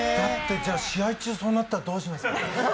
試合中そうなったらどうします？